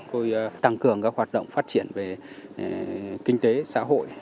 tôi tăng cường các hoạt động phát triển về kinh tế xã hội